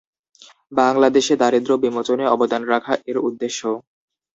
বাংলাদেশে দারিদ্র্য বিমোচনে অবদান রাখা এর উদ্দেশ্য।